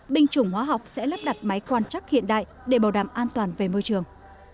binh chủng hóa học sẽ lắp đặt máy quan chắc hiện đại để bảo đảm an toàn về môi trường